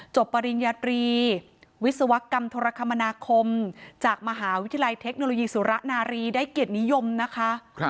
ปริญญาตรีวิศวกรรมธรคมนาคมจากมหาวิทยาลัยเทคโนโลยีสุระนารีได้เกียรตินิยมนะคะ